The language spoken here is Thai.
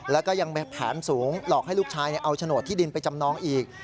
แล้วก็ยังมีแผนสูงหลอกให้ลูกชายเอาโฉนดที่ดินไปจำนองอีก